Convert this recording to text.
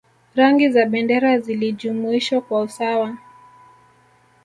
Rangi za bendera zilijumuishwa kwa usawa